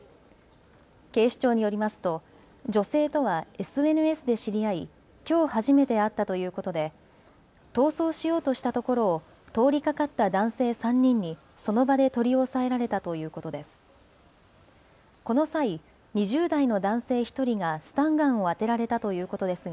警視庁によりますと、女性とはＳＮＳで知り合い、きょう初めて会ったということで逃走しようとしたところを通りかかった男性３人にその場で取り押さえられたということです。